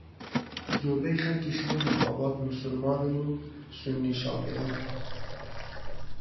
زۆربەی خەڵکی شاری مەھاباد موسڵمان و سوننی شافعیین